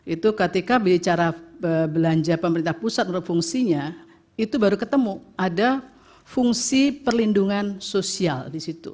itu ketika bicara belanja pemerintah pusat fungsinya itu baru ketemu ada fungsi perlindungan sosial di situ